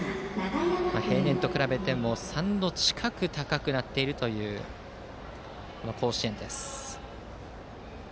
平年と比べても３度近く高くなっているという甲子園です。